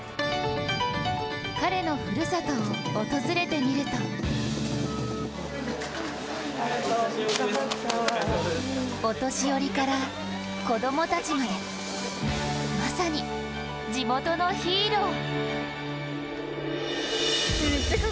彼のふるさとを訪れてみるとお年寄りから子供たちまでまさに地元のヒーロー。